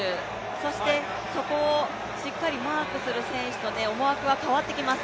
そして、そこをしっかりマークする選手と思惑は変わってきます。